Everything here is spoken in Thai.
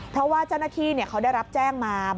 เพราะว่าเจ้าหน้าที่เขาได้รับแจ้งมา